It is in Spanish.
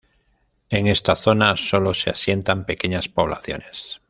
En esta zona sólo se asientan pequeñas poblaciones.